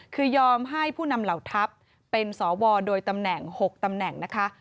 คือยอมให้ผู้นำเหล่าทัพเป็นสวโดยตำแหน่ง๖ตำแหน่งนะคะ